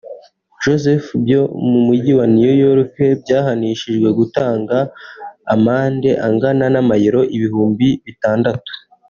Joseph byo mu Mujyi wa New York byahanishijwe gutanga amande angana n’Amayero ibihumbi bitandatu